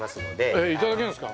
えぇいただけるんですか？